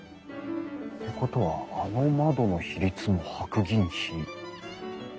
ってことはあの窓の比率も白銀比。